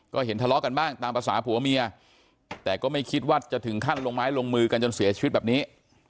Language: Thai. ก็เห็นทะเลาะกันบ้างตามภาษาผัวเมียแต่ก็ไม่คิดว่าจะถึงขั้นลงไม้ลงมือกันจนเสียชีวิตแบบนี้